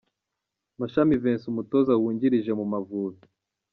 Mashami Vincent umutoza wungirije mu Mavubi .